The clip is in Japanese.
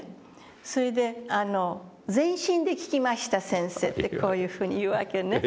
それで「全身で聞きました先生」とこういうふうに言うわけね。